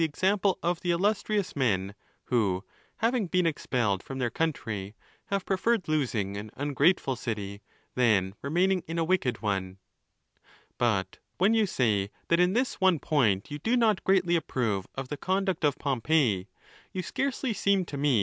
example of the illustrious men who, having been expelled from their country, have preferred losing an ungrateful city than remaining in a wicked one, But when you say that in this one point you do not greatly approve of the conduct of Pompey, you scarcely seem to me.